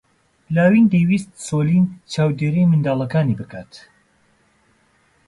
لاوین دەیویست سۆلین چاودێریی منداڵەکانی بکات.